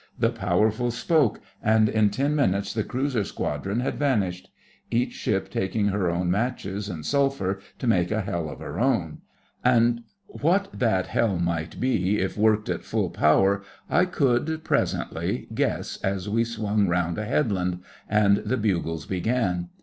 The Powerful spoke, and in ten minutes the cruiser squadron had vanished; each ship taking her own matches and sulphur to make a hell of her own. And what that hell might be if worked at full power I could, presently, guess as we swung round a headland, and the bugles began.